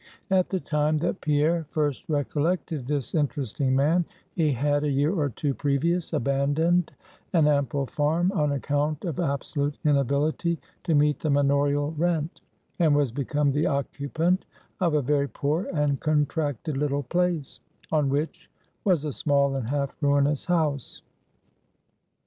At the time that Pierre first recollected this interesting man, he had, a year or two previous, abandoned an ample farm on account of absolute inability to meet the manorial rent, and was become the occupant of a very poor and contracted little place, on which was a small and half ruinous house.